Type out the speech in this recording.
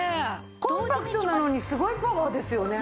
コンパクトなのにすごいパワーですよね。